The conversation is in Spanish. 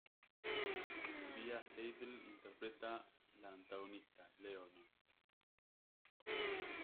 Bia Seidl interpreta la antagonista, Leonor.